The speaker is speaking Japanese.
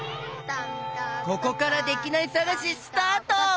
ここからできないさがしスタート！